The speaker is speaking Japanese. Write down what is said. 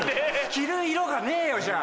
着る色がねえよじゃあ。